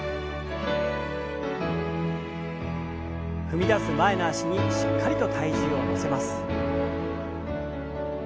踏み出す前の脚にしっかりと体重を乗せます。